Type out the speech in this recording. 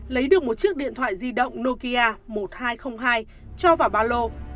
lấy được một chiếc điện thoại di động nokia một nghìn hai trăm linh hai cho vào ba lô